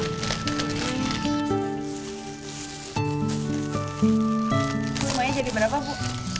maunya jadi berapa bu